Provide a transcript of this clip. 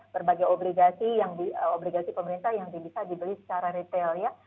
berbagai obligasi obligasi pemerintah yang bisa dibeli secara retail ya